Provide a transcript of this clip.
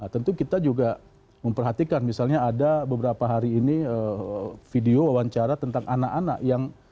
tentu kita juga memperhatikan misalnya ada beberapa hari ini video wawancara tentang anak anak yang